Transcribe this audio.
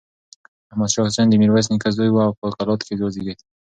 احمد شاه حسين د ميرويس نيکه زوی و او په کلات کې وزېږېد.